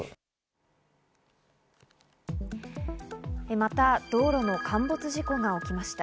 また道路の陥没事故が起きました。